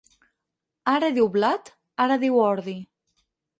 Ara diu blat, ara diu ordi.